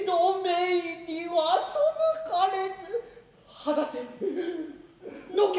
離せ、のけ。